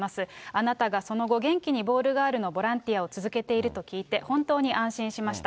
あなたがその後、元気にボールガールのボランティアを続けていると聞いて、本当に安心しました。